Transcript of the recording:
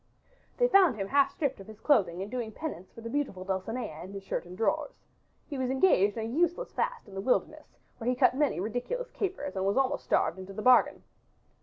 They found him half stripped of his clothing and doing penance for the beautiful Dulcinea in his shirt and drawers. He was engaged in a useless fast in the wilderness where he cut many ridiculous capers and was almost starved into the bargain.